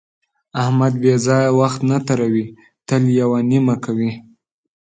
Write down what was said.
احمد بې ځایه وخت نه تېروي، تل یوه نیمه کوي.